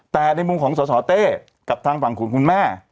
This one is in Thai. แต่ในมุมของสสเต้กับทางฝั่งของคุณแม่